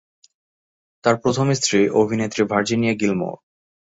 তার প্রথম স্ত্রী অভিনেত্রী ভার্জিনিয়া গিলমোর।